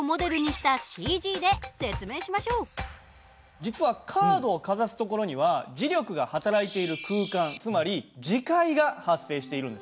実はカードをかざす所には磁力が働いている空間つまり磁界が発生しているんですね。